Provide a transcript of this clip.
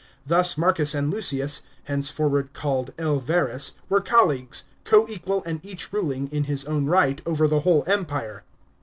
Thus Marcus and Lucius (henceforward called L. Verus) were colleagues, co equal and each ruling, in his own right, over the whole Empire.